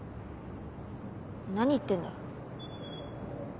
何言ってんだ。